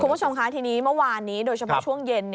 คุณผู้ชมค่ะทีนี้เมื่อวานนี้โดยเฉพาะช่วงเย็น